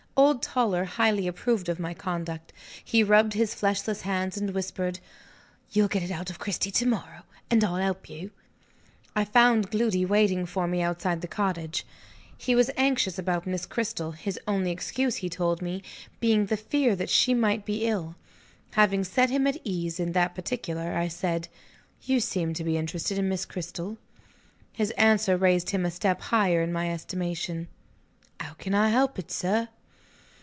Old Toller highly approved of my conduct. He rubbed his fleshless hands, and whispered: "You'll get it out of Cristy to morrow, and I'll help you." I found Gloody waiting for me outside the cottage. He was anxious about Miss Cristel; his only excuse, he told me, being the fear that she might be ill. Having set him at ease, in that particular, I said: "You seem to be interested in Miss Cristel." His answer raised him a step higher in my estimation. "How can I help it, sir?"